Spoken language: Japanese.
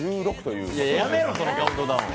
いやいや、やめろ、そのカウントダウン。